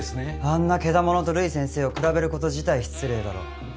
あんなけだものと瑠依先生を比べること自体失礼だろ。